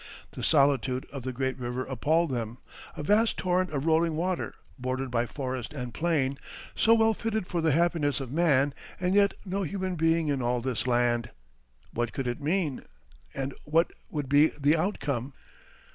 The solitude of the great river appalled them: a vast torrent of rolling water, bordered by forest and plain, so well fitted for the happiness of man, and yet no human being in all this land! What could it mean, and what would be the outcome?